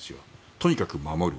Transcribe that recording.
とにかく守る。